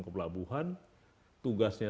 ke pelabuhan tugasnya